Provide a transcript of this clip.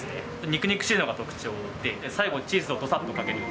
肉肉しいのが特徴で、最後にチーズをどさっとかける。